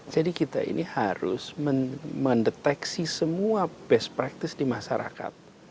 jadi kita ini harus mendeteksi semua best practice di masyarakat